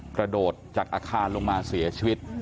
กระโดดจากอาคารลงมาเสียชีวิต